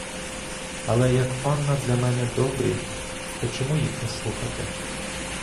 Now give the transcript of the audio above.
Але як панна для мене добрі, то чому їх не слухати?